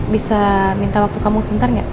bisa minta waktu kamu sebentar nggak